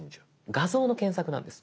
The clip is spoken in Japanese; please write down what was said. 画像の検索なんです。